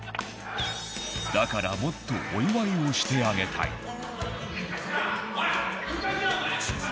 だからもっとお祝いをしてあげたい。